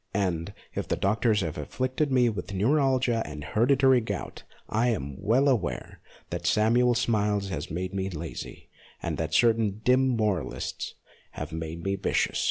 And, if the doctors have afflicted me with neuralgia and hereditary gout, I am well aware that Samuel Smiles has made me lazy, and that certain dim moralists have made me vicious.